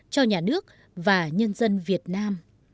cho nhà nước và nhân dân việt nam